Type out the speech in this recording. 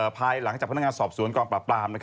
ภายหลังจากพนักงานสอบสวนกองปราบปราม